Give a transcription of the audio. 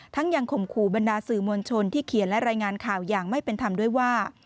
ยังข่มขู่บรรดาสื่อมวลชนที่เขียนและรายงานข่าวอย่างไม่เป็นธรรมด้วยว่า